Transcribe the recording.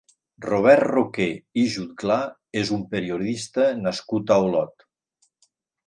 Robert Roqué i Jutglà és un periodista nascut a Olot.